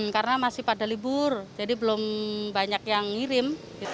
karena masih pada libur jadi belum banyak yang ngirim